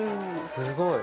すごい。